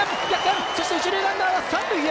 そして一塁ランナーは三塁へ！